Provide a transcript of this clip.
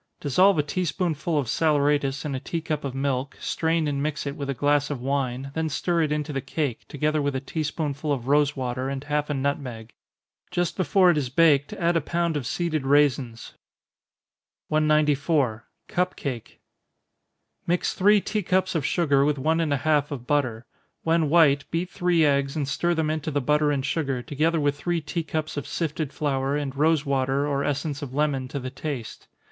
Dissolve a tea spoonful of saleratus in a tea cup of milk, strain and mix it with a glass of wine, then stir it into the cake, together with a tea spoonful of rosewater, and half a nutmeg. Just before it is baked, add a pound of seeded raisins. 194. Cup Cake. Mix three tea cups of sugar with one and a half of butter. When white, beat three eggs, and stir them into the butter and sugar, together with three tea cups of sifted flour, and rosewater or essence of lemon to the taste.